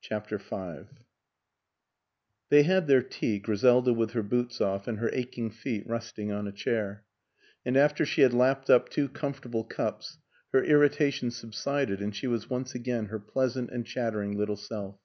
CHAPTER V THEY had their tea, Griseida with her boots off and her aching feet resting on a chair; and after she had lapped up two comfortable cups her irritation subsided and she was once again her pleasant and chattering little self.